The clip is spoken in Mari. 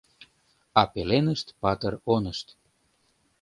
А пеленышт патыр онышт